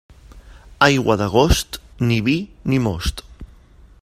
Aigua d'agost, ni vi ni most.